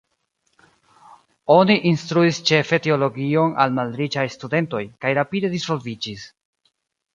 Oni instruis ĉefe teologion al malriĉaj studentoj, kaj rapide disvolviĝis.